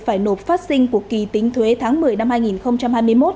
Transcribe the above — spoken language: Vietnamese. phải nộp phát sinh của kỳ tính thuế tháng một mươi năm hai nghìn hai mươi một